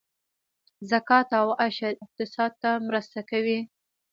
زکات او عشر اقتصاد ته مرسته کوي